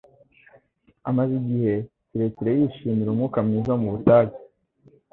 Amaze igihe kirekire yishimira umwuka mwiza wo mu butayu